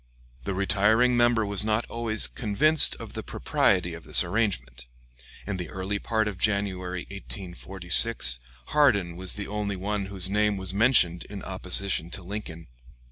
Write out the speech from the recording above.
The retiring member was not always convinced of the propriety of this arrangement. In the early part of January, 1846, Hardin was the only one whose name was mentioned in opposition to Lincoln.